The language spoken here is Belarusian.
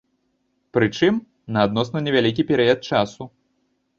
Прычым, на адносна невялікі перыяд часу.